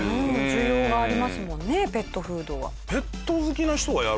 需要がありますもんねペットフードは。はあ。